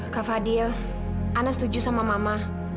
kak fadil anak setuju sama mama